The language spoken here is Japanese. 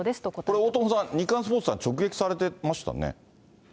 これ、大友さん、日刊スポーツさんは直撃されていましたね。